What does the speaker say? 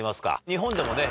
日本でもね